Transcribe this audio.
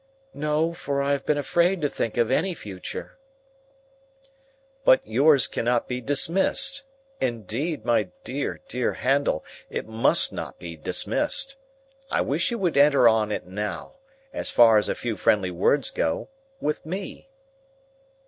"No, for I have been afraid to think of any future." "But yours cannot be dismissed; indeed, my dear dear Handel, it must not be dismissed. I wish you would enter on it now, as far as a few friendly words go, with me."